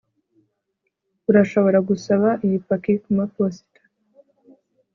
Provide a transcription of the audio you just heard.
urashobora gusaba iyi paki kumaposita